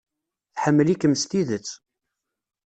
Tḥemmel-ikem s tidet.